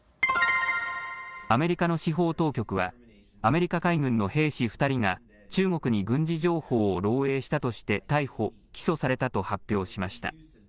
アメリカの司法当局はアメリカ海軍の兵士２人が中国に軍事情報を漏えいしたとして逮捕・起訴されたと発表しました。